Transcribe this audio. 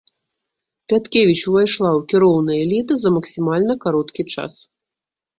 Пяткевіч увайшла ў кіроўныя эліты за максімальна кароткі час.